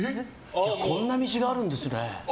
こんな道があるんですね。